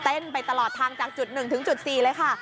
ไปตลอดทางจากจุด๑ถึงจุด๔เลยค่ะ